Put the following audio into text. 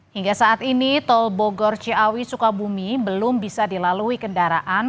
hingga saat ini tol bogor ciawi sukabumi belum bisa dilalui kendaraan